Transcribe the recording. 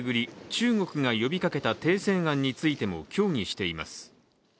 中国が呼びかけた停戦案についても協議しています。